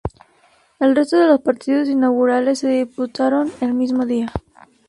El resto de los partidos inaugurales se disputaron el mismo día.